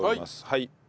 はい。